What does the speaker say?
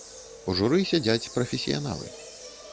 У журы сядзяць прафесіяналы.